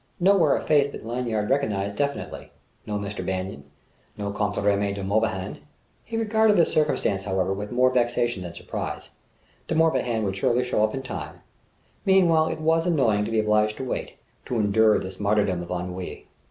Nowhere a face that Lanyard recognized definitely: no Mr. Bannon, no Comte Remy de Morbihan.... He regarded this circumstance, however, with more vexation than surprise: De Morbihan would surely show up in time; meanwhile, it was annoying to be obliged to wait, to endure this martyrdom of ennui.